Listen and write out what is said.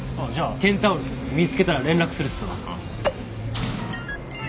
ケンタウロス見つけたら連絡するっすわ。